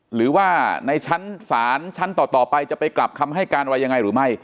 หรือว่าในชั้นศาลชั้นต่อไปจะไปกลับคำให้การอะไรยังไงหรือไม่